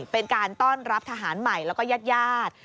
เป็นการต้อนรับทหารใหม่แล้วก็ญาติญาติ